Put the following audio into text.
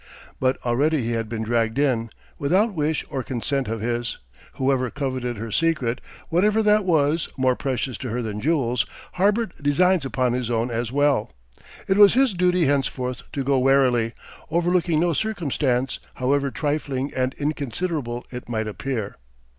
But already he had been dragged in, without wish or consent of his; whoever coveted her secret whatever that was, more precious to her than jewels harboured designs upon his own as well. It was his duty henceforth to go warily, overlooking no circumstance, however trifling and inconsiderable it might appear.